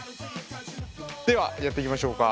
ではやっていきましょうか。